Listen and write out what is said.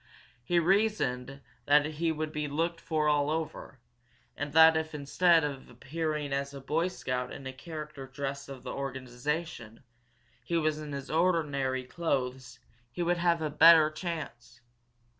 He reasoned that he would be looked for all over, and that if, instead of appearing as a Boy Scout in character dress of the organization, he was in ordinary clothes, he would have a better chance.